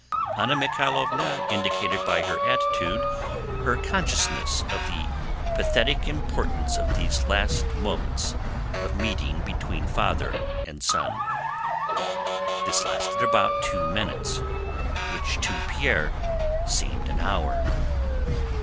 Anna Mikháylovna indicated by her attitude her consciousness of the pathetic importance of these last moments of meeting between the father and son. This lasted about two minutes, which to Pierre seemed an hour.